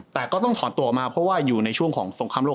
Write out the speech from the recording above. แต่ก็ต้องถอนตัวออกมาเพราะว่าอยู่ในช่วงของสงครามโลก